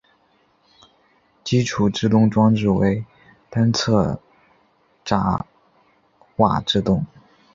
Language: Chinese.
基础制动装置为单侧闸瓦制动。